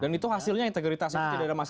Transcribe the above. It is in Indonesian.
dan itu hasilnya integritasnya tidak ada masalah